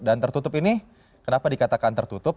dan tertutup ini kenapa dikatakan tertutup